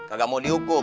kagak mau dihukum